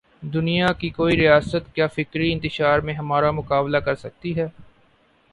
دنیا کی کوئی ریاست کیا فکری انتشار میں ہمارا مقابلہ کر سکتی ہے؟